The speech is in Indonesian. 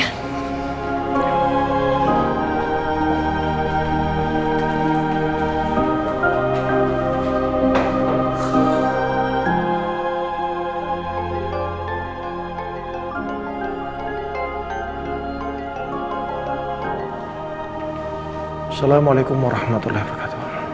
assalamualaikum warahmatullahi wabarakatuh